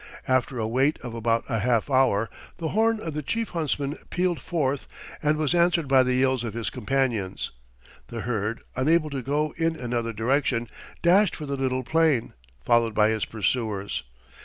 After a wait of about a half hour, the horn of the chief huntsman pealed forth and was answered by the yells of his companions; the herd, unable to go in another direction, dashed for the little plain, followed by its pursuers.